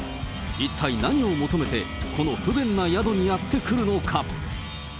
一体何を求めてこの不便な宿にやって来るのか？